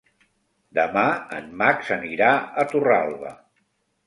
Demà en Max anirà a Torralba.